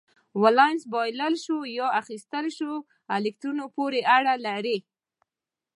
ولانس بایلل شوو یا اخیستل شوو الکترونونو پورې اړه لري.